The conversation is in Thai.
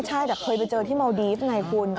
ใช่แต่เคยไปเจอที่เมาดีฟไงคุณ